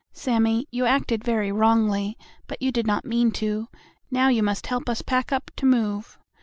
Sammie, you acted very wrongly, but you did not mean to. Now, you must help us pack up to move."